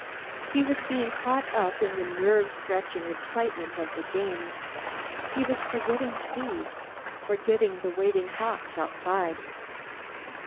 He was being caught up in the nerve stretching excitement of the game. He was forgetting Steve, forgetting the waiting Hawkes outside.